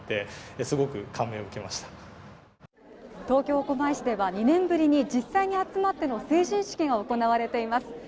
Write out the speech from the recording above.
東京狛江市では２年ぶりに実際に集まっての成人式が行われています。